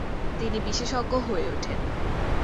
তিনি বিশেষজ্ঞ হয়ে ওঠেন।